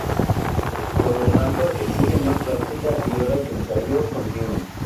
Por lo tanto, exige más práctica y horas de ensayo continuo.